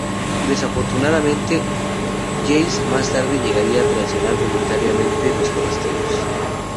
Desafortunadamente, Jace más tarde llegaría a traicionar voluntariamente los forasteros.